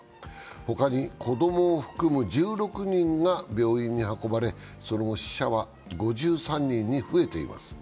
他に子供を含む１６人が病院に運ばれその後、死者は５３人に増えています